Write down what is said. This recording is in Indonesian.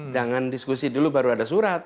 jangan diskusi dulu baru ada surat